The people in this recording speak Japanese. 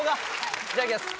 いただきます。